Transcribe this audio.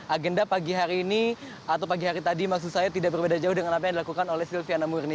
agenda pagi hari ini atau pagi hari tadi maksud saya tidak berbeda jauh dengan apa yang dilakukan oleh silviana murni